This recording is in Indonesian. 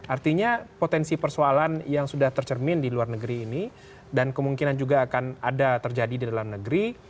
artinya potensi persoalan yang sudah tercermin di luar negeri ini dan kemungkinan juga akan ada terjadi di dalam negeri